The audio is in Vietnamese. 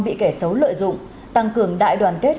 bị kẻ xấu lợi dụng tăng cường đại đoàn kết